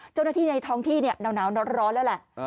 เจ้าหน้าที่ในท้องที่เนี่ยหนาวร้อนแล้วแหละ